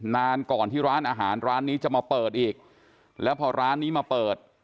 นานก่อนที่ร้านอาหารร้านนี้จะมาเปิดอีกแล้วพอร้านนี้มาเปิด